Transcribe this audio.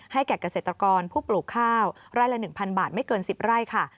แก่เกษตรกรผู้ปลูกข้าวไร่ละ๑๐๐บาทไม่เกิน๑๐ไร่ค่ะ